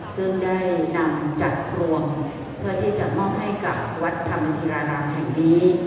ซึ่งได้นำจัดรวมเพื่อที่จะมอบให้กับวัดธรรมิรารามแห่งนี้